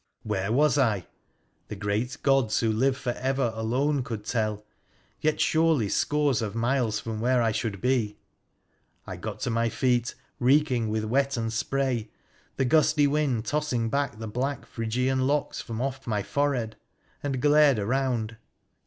Where was I ? The great gods who live for ever alone could tell, yet surely scores of miles from where I should be ! I got to my feet, reeking with wet and spray, the gusty wind tossing back the black Phrygian locks from off my forehead, and glared around.